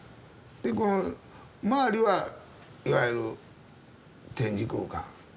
でこの周りはいわゆる展示空間。